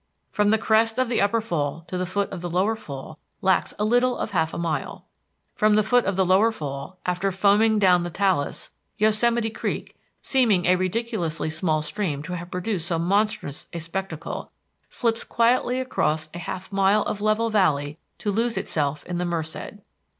From the crest of the Upper Fall to the foot of the Lower Fall lacks a little of half a mile. From the foot of the Lower Fall, after foaming down the talus, Yosemite Creek, seeming a ridiculously small stream to have produced so monstrous a spectacle, slips quietly across a half mile of level valley to lose itself in the Merced.